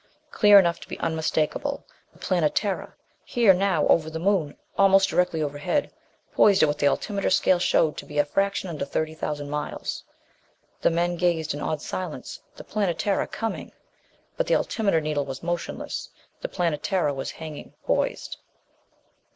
Clear enough to be unmistakable. The Planetara! Here now, over the Moon, almost directly overhead, poised at what the altimeter scale showed to be a fraction under thirty thousand miles. The men gazed in awed silence. The Planetara coming.... But the altimeter needle was motionless. The Planetara was hanging poised.